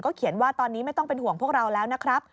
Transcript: เขียนว่าตอนนี้ไม่ต้องเป็นห่วงพวกเราแล้วนะครับ